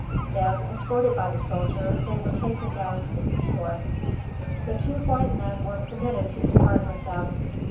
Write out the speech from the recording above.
Then, escorted by the soldier, they were taken down to the seashore. The two white men were permitted to depart with them.